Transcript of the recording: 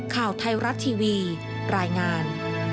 ข่าวไทยรัฐทีวีรายงาน